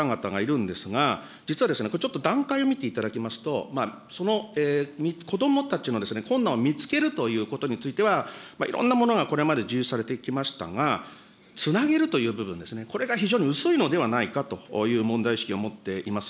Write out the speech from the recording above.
本当にたくさんの方々がいるんですが、実はちょっと段階を見ていただきますと、その子どもたちの困難を見つけることに関しては、いろんなものがこれまで実施されてきましたが、つなげるという部分ですね、これが非常に薄いのではないかという問題意識を持っています。